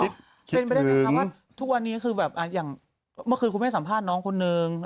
เป็นไปได้ไหมคะว่าทุกวันนี้คือแบบอย่างเมื่อคืนคุณแม่สัมภาษณ์น้องคนนึง